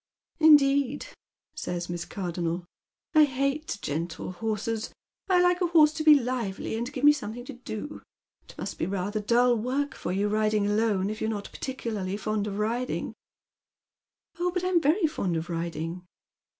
"Indeed," says Miss Cardonnel. "I hate gentle horses. 1 like a horse to be lively, and give me something to do. It must be rather dull work for you riding alone, if you're not particulai ly fond of riding." " Oil, but I'm very fond of riding."